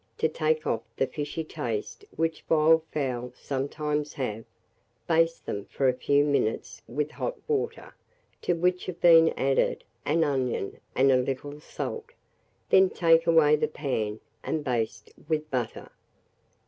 To take off the fishy taste which wild fowl sometimes have, baste them for a few minutes with hot water to which have been added an onion and a little salt; then take away the pan, and baste with butter.